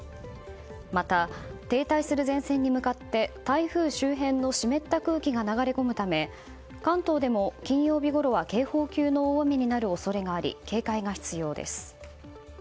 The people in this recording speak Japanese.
また、停滞する前線に向かって台風周辺の湿った空気が流れ込むため関東でも金曜日ごろは警報級の大雨になる恐れがあり警戒が必要です。